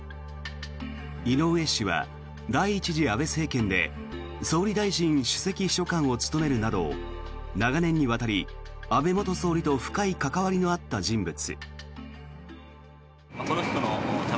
井上氏は、第１次安倍政権で総理大臣首席秘書官を務めるなど長年にわたり、安倍元総理と深い関わりのあった人物。